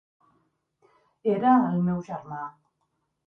Era el meu germà.